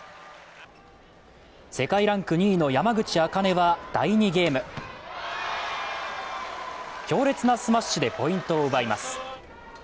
世界ランク２位の山口茜は第２ゲーム、強烈なスマッシュでポイントを奪います。